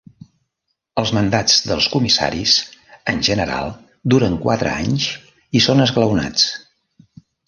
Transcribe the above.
Els mandats dels comissaris, en general, duren quatre anys i són esglaonats.